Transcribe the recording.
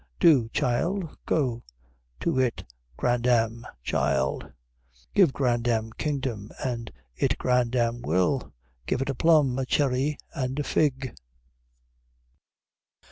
"Do, child, go to it grandam, child; Give grandam kingdom, and it grandam will Give it a plum, a cherry, and a fig!"